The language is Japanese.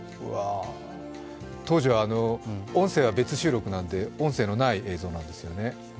当時は音声は別収録なので音声のない映像なんですよね。